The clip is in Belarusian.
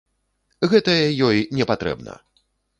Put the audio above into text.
Гэтае ёй не патрэбна!